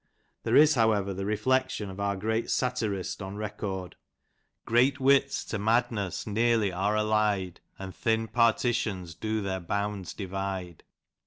There is, however, the reflection of our great satirist on record : G reat wits to madness nearly are aUied, And thin partitions do their bounds divide.